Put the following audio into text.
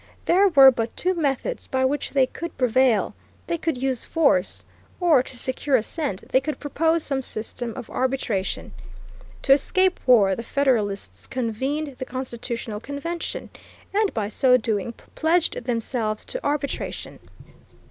There were but two methods by which they could prevail; they could use force, or, to secure assent, they could propose some system of arbitration. To escape war the Federalists convened the constitutional convention, and by so doing pledged themselves to arbitration.